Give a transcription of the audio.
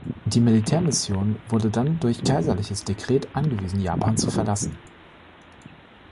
Die Militärmission wurde dann durch kaiserliches Dekret angewiesen, Japan zu verlassen.